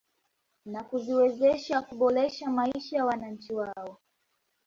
Na kuziwezeha kuboresha maisha ya wananchi wao